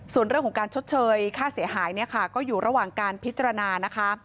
ส่วนเรื่องของการชดเชยค่าเสียหายเนี่ยค่ะก็อยู่ระหว่างการพิจารณานะคะ